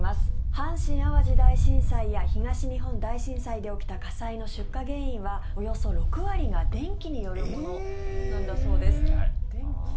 阪神・淡路大震災や東日本大震災で起きた火災の出火原因は、およそ６割が電気によるものなんだそうです。